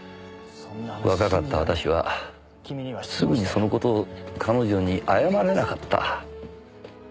若かった私はすぐにその事を彼女に謝れなかった。